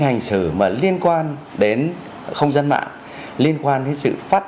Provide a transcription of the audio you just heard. hành xử mà liên quan đến không gian mạng liên quan đến sự phát